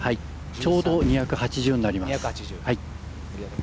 ちょうど２８０になります。